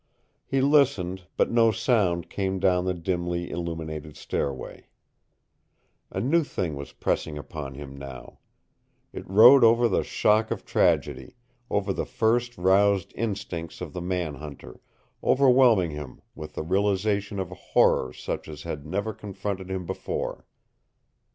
He listened, but no sound came down the dimly illumined stairway. A new thing was pressing upon him now. It rode over the shock of tragedy, over the first roused instincts of the man hunter, overwhelming him with the realization of a horror such as had never confronted him before.